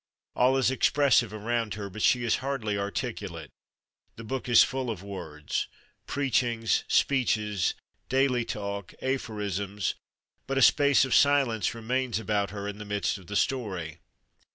All is expressive around her, but she is hardly articulate; the book is full of words preachings, speeches, daily talk, aphorisms, but a space of silence remains about her in the midst of the story.